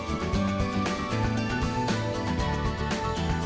apa dalam segi